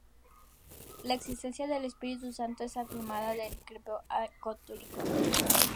La existencia del Espíritu Santo es afirmada en el Credo Apostólico.